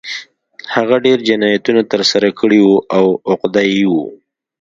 هغه ډېر جنایتونه ترسره کړي وو او عقده اي و